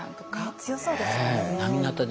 強そうですよね。